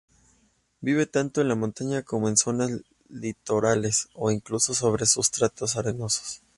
Vive tanto en la montaña como en zonas litorales e incluso sobre sustratos arenosos.